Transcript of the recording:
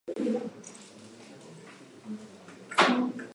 Compta amb la participació d'uns vuitanta actors.